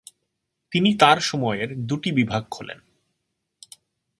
তিনি তার সময়ের দুটি বিভাগ খোলেন।